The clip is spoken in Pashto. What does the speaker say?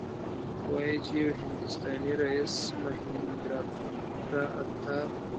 وايي چې یو هندوستانی رئیس مهیندراپراتاپ.